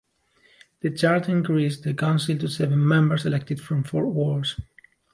The Charter increased the Council to seven members elected from four wards.